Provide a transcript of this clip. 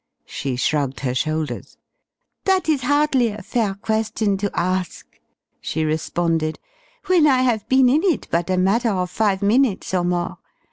She shrugged her shoulders. "That is hardly a fair question to ask!" she responded, "when I have been in it but a matter of five minutes or more.